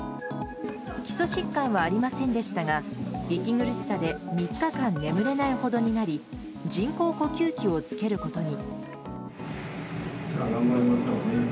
基礎疾患はありませんでしたが息苦しさで３日間眠れないほどになり人工呼吸器を着けることに。